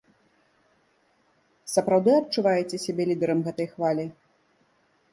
Сапраўды адчуваеце сябе лідарам гэтай хвалі?